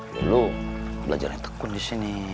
lo belajar yang tekun di sini